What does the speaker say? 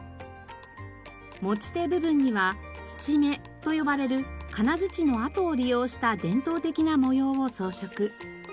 持ち手部分には鎚目と呼ばれる金づちの跡を利用した伝統的な模様を装飾。